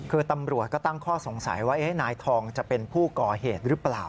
คือตำรวจก็ตั้งข้อสงสัยว่านายทองจะเป็นผู้ก่อเหตุหรือเปล่า